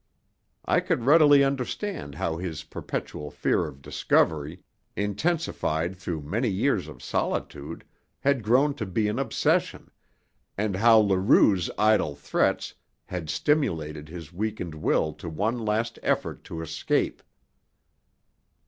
I could readily understand how his perpetual fear of discovery, intensified through many years of solitude, had grown to be an obsession, and how Leroux's idle threats had stimulated his weakened will to one last effort to escape.